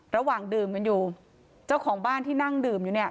ระหว่างดื่มกันอยู่เจ้าของบ้านที่นั่งดื่มอยู่เนี่ย